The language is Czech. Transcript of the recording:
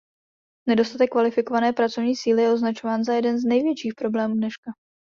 Nedostatek kvalifikované pracovní síly je označován za jeden z největších problémů dneška.